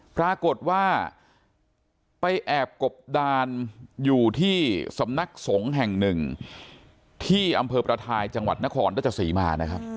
ปรากฏว่าไปแอบกบดานอยู่ที่สำนักสงฆ์แห่งหนึ่งที่อำเภอประทายจังหวัดนครราชสีมานะครับ